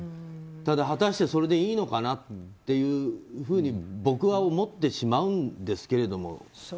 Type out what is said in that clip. ただ果たしてそれでいいのかなっていうふうに僕は思ってしまうんですけど。